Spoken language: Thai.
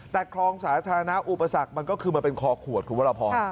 แต่คลองสาธารณะอุปสรรคมันก็คือมันเป็นคอขวดคุณวรพร